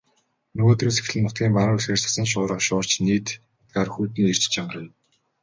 Нөгөөдрөөс эхлэн нутгийн баруун хэсгээр цасан шуурга шуурч нийт нутгаар хүйтний эрч чангарна.